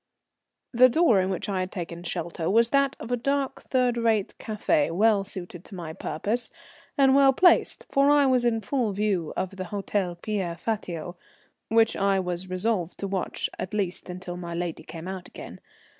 The door in which I had taken shelter was that of a dark third rate café well suited to my purpose, and well placed, for I was in full view of the Hôtel Pierre Fatio, which I was resolved to watch at least until my lady came out again.